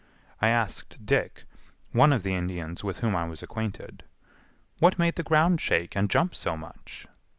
I asked Dick, one of the Indians with whom I was acquainted, "What made the ground shake and jump so much?"